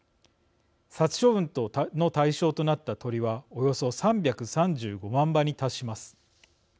殺処分の対象となった鳥はおよそ３３５万羽に達します。